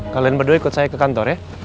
kalian berdua ikut saya ke kantor ya